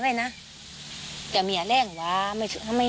กล้าวแรงมากว่ากำทุบด้วยแบบนั้นเนี่ย